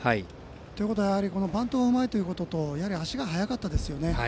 ということはバントがうまいというのと足が速かったですよね。